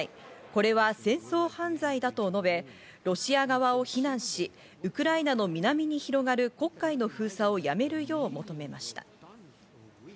これは戦争犯罪だと述べ、ロシア側を非難し、ウクライナの南に広がる黒海の封鎖をやめるよう求めました。